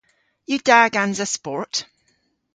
Yw da gansa sport?